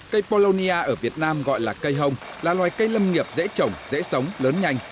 cây polonia ở việt nam gọi là cây hồng là loài cây lâm nghiệp dễ trồng dễ sống lớn nhanh